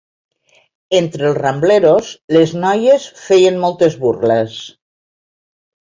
Entre els Rambleros, les noies feien moltes burles.